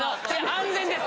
⁉安全です！